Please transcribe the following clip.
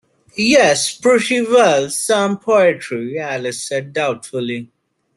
‘Yes, pretty well—some poetry,’ Alice said doubtfully.